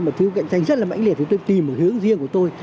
mà cái cạnh tranh rất là mạnh liệt thì tôi tìm một hướng riêng của tôi